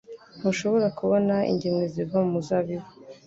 Ntushobora kubona ingemwe ziva mumuzabibu.